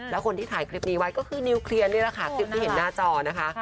แล้วคนที่ถ่ายคลิปนี้ไว้ก็คือนิวเคลียร์นี่แหละค่ะคลิปที่เห็นหน้าจอนะคะ